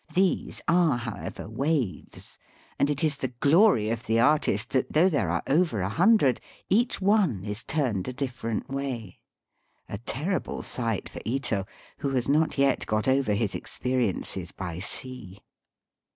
These are, how ever, waves, and it is the glory of the artist that, though there are over a hundred, each one is turned a different way — a terrible sight for Ito, who has not yet got over his ex periences by sea.